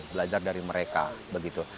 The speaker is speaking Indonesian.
belajar dari mereka begitu